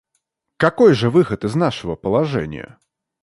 Какой же выход из нашего положения?